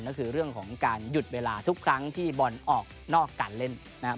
ก็คือเรื่องของการหยุดเวลาทุกครั้งที่บอลออกนอกการเล่นนะครับ